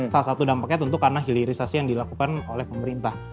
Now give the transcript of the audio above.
salah satu dampaknya tentu karena hilirisasi yang dilakukan oleh pemerintah